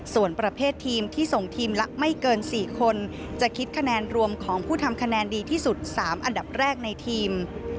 ส่วนประเภททีมที่ส่งทีมละไม่เกิน๔คนจะคิดคะแนนรวมของผู้ทำคะแนนดีที่สุด๓อันดับแรกในทีม